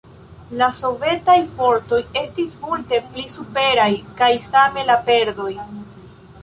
La sovetaj fortoj estis multe pli superaj, kaj same la perdoj.